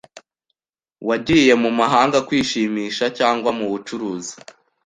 Wagiye mu mahanga kwishimisha cyangwa mu bucuruzi?